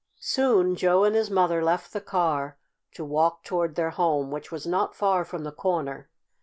Soon Joe and his mother left the car, to walk toward their home, which was not far from the corner.